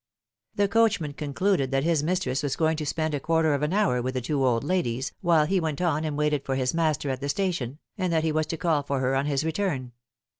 The coachman concluded that his mistress was going to spend a quarter of an hour with the two old ladies, while he went on and waited for his master at the station, and that he was to call for her on his return.